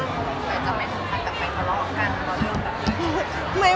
แต่จากนั้นถึงกันกันไปทะเลาะกันต่อเรื่องแบบนี้